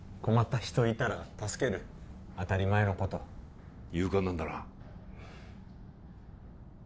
困った人いたら助ける当たり前のこと勇敢なんだな